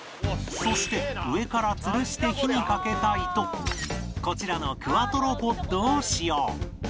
そして上からつるして火にかけたいとこちらのクワトロポッドを使用